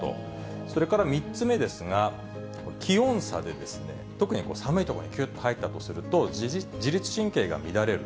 それから、３つ目ですが、気温差で、特に寒い所にきゅっと入ったりすると、自律神経が乱れる。